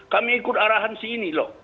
kami ikut arahan si ini